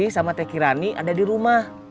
sama teki rani ada di rumah